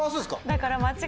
だから。